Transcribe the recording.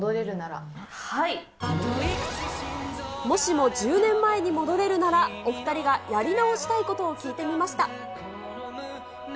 もしも１０年前に戻れるなら、お２人がやり直したいことを聞いてみました。